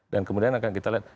dan kemudian akan kita lihat